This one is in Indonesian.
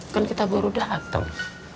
kan kita baru datang